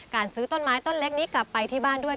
ซื้อต้นไม้ต้นเล็กนี้กลับไปที่บ้านด้วย